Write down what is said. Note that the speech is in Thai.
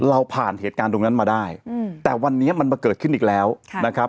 เราผ่านเหตุการณ์ตรงนั้นมาได้แต่วันนี้มันมาเกิดขึ้นอีกแล้วนะครับ